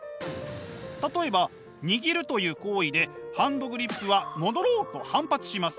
例えば握るという行為でハンドグリップは戻ろうと反発します。